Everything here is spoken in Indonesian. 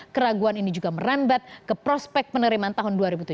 keraguan ini juga merambat ke prospek penerimaan tahun dua ribu tujuh belas